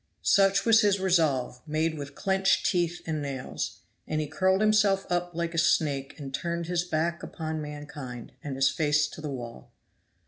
Such was his resolve, made with clinched teeth and nails. And he curled himself up like a snake and turned his back upon mankind, and his face to the wall.